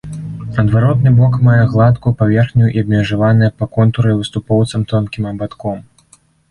Адваротны бок мае гладкую паверхню і абмежаваная па контуры выступоўцам тонкім абадком.